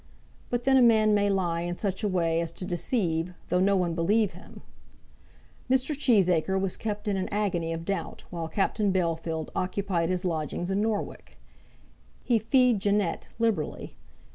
But then a man may lie in such a way as to deceive, though no one believe him. Mr. Cheesacre was kept in an agony of doubt while Captain Bellfield occupied his lodgings in Norwich. He fee'd Jeannette liberally.